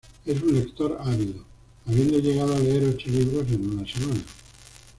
Es un lector ávido, habiendo llegado a leer ocho libros en una semana.